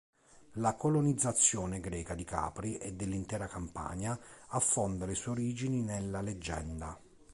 La colonizzazione greca di Capri e dell'intera Campania affonda le sue origini nella leggenda.